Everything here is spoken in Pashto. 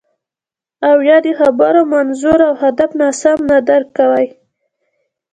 او یا د خبرو منظور او هدف ناسم نه درک کوئ